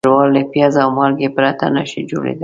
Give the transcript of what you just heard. ښوروا له پیاز او مالګې پرته نهشي جوړېدای.